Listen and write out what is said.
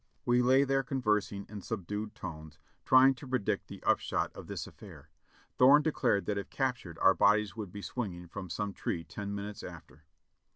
We lay there conversing in subdued tones, trying to predict the upshot of this affair. Thorne declared that if captured our 622 JOHNNY REB AND BILIyY YANK bodies would be swinging from some tree ten minutes after.